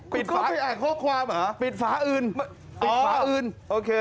ปิดฝาปิดฝาอื่นโอเค